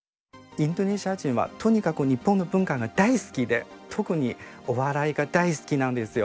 インドネシア人はとにかく日本の文化が大好きで特にお笑いが大好きなんですよ。